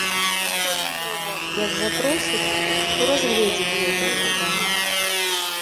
Як запросяць, то разгледзім гэтае пытанне.